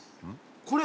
これ？